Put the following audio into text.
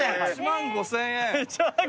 １万５，０００。